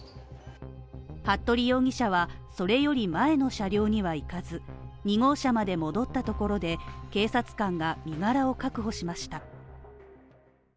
服部容疑者は、それより前の車両には行かず２号車まで戻ったところで警察官が身柄を確保しました。